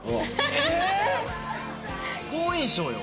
好印象よ。